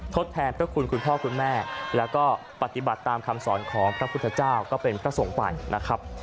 ทดแทนพระคุณคุณพ่อคุณแม่แล้วก็ปฏิบัติตามคำสอนของพระพุทธเจ้าก็เป็นพระสงฆ์ไปนะครับ